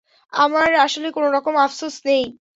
আমার আসলে কোনোরকম আফসোস নেই।